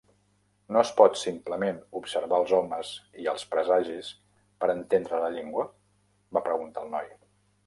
"No es pot simplement observar els homes i els presagis per entendre la llengua?" va preguntar el noi.